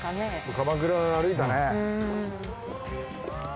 鎌倉歩いたね。